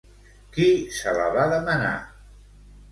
Qui se la va demanar?